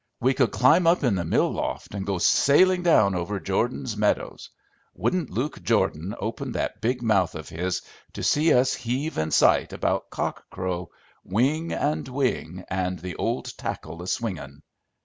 We could climb up in the mill loft and go sailin' down over Jordan's meadows. Wouldn't Luke Jordan open that big mouth of his to see us heave in sight about cock crow, wing and wing, and the old tackle a swingin'!"